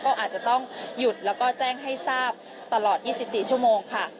ก็อาจจะต้องหยุดแล้วก็แจ้งให้ทราบตลอด๒๔ชั่วโมงค่ะ